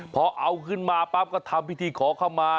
พอเอาขึ้นมาปั๊บก็ทำพิธีขอเข้ามา